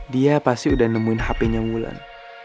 dia pasti udah nemuin hpnya mulan